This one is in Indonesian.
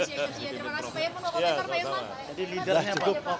kita tunggu kami isi eksepsi terima kasih pak irman